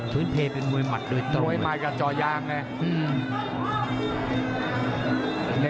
ทุนเพลย์เป็นมวยมัดโดยตรงมวยมากับจอย่างแน่